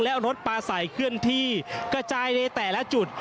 และรถปลาใสเคลื่อนที่กระจายในแต่ละจุด